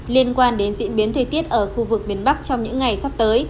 liên quan đến diễn biến thời tiết ở khu vực miền bắc trong những ngày sắp tới